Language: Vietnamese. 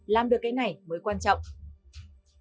làm được cái này mới quan trọng